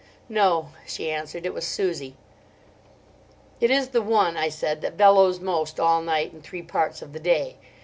"No," she answered, "it was Susie." "It is the one," I said, "that bellows most all night and three parts of the day.